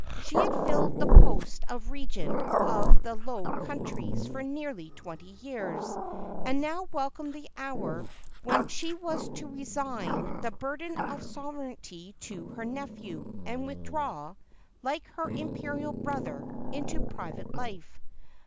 She had filled the post of regent of the Low Countries for nearly twenty years, and now welcomed the hour when she was to resign the burden of sovereignty to her nephew, and withdraw, like her imperial brother, into private life.